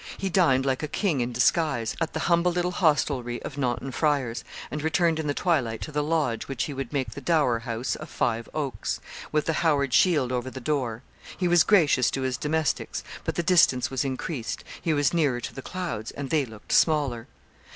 He dined like a king in disguise, at the humble little hostelry of Naunton Friars, and returned in the twilight to the Lodge, which he would make the dower house of Five Oaks, with the Howard shield over the door. He was gracious to his domestics, but the distance was increased: he was nearer to the clouds, and they looked smaller.